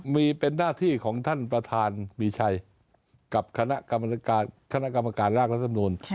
มีเป็นหน้าที่ของท่านประธานมีชัยกับคณะกรรมการร่างรัฐมนูล